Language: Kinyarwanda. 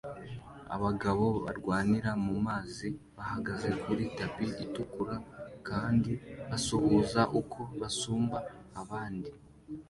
Abagabo barwanira mu mazi bahagaze kuri tapi itukura kandi basuhuza uko basumba abandi